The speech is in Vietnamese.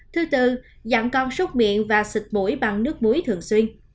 thứ tư dặn con xúc miệng và xịt mũi bằng nước muối thường xuyên